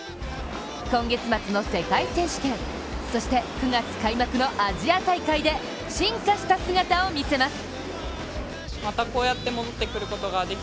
今月末の世界選手権、そして９月開幕のアジア大会で進化した姿を見せます。